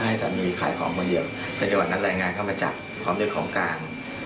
ถ้าให้สามีขายของคนเดียวในจัดพลังงานนั้นก็มาจัดความเร็วของกาล